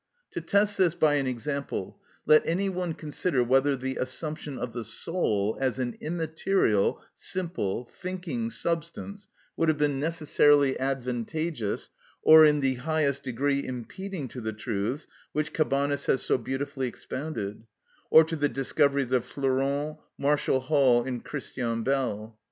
To test this by an example, let any one consider whether the assumption of the soul as an immaterial, simple, thinking substance would have been necessarily advantageous or in the highest degree impeding to the truths which Cabanis has so beautifully expounded, or to the discoveries of Flourens, Marshall Hall, and Ch. Bell.